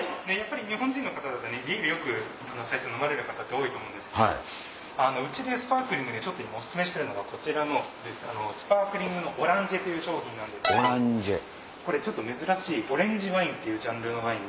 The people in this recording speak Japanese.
日本人だとビール最初飲む方多いと思うんですけどうちでスパークリングでおすすめしてるのがこちらのオランジェという商品なんですけどちょっと珍しいオレンジワインというジャンルで。